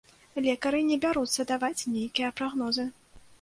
Лекары не бяруцца даваць нейкія прагнозы.